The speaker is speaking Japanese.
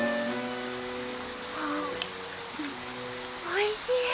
おいしい。